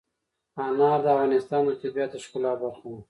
انار د افغانستان د طبیعت د ښکلا برخه ده.